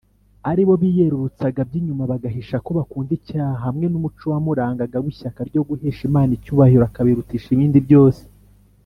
, aribo biyerurutsaga by’inyuma bagahisha ko bakunda icyaha, hamwe n’umuco wamurangaga w’ishyaka ryo guhesha Imana icyubahiro akabirutisha ibindi byose,